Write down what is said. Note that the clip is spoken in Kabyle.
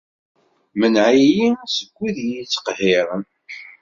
Mneɛ-iyi seg wid i iyi-ittqehhiren.